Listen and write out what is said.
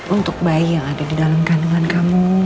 untuk bayi yang ada di dalam kandungan kamu